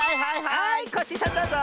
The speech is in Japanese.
はいコッシーさんどうぞ！